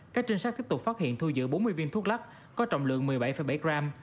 các trinh sát tiếp tục phát hiện thu giữ bốn mươi viên thuốc lắc có trọng lượng một mươi bảy bảy gram